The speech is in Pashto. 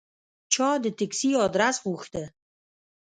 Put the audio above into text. چا د تکسي آدرس غوښته.